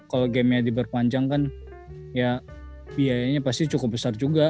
kalo game nya diberpanjang kan ya biayanya pasti cukup besar juga